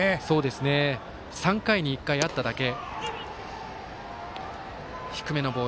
３回に１回あっただけ。